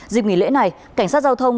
dịp nghỉ lễ này cảnh sát giao thông